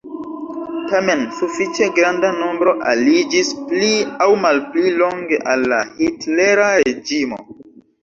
Tamen sufiĉe granda nombro aliĝis pli aŭ malpli longe al la hitlera reĝimo.